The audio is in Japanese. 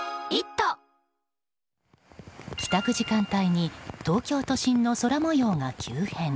帰宅時間帯に東京都心の空模様が急変。